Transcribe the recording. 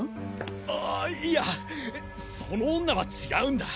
あいやその女は違うんだ。